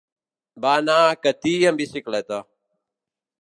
Va anar a Catí amb bicicleta.